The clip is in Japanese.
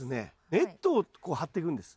ネットをこう張っていくんです。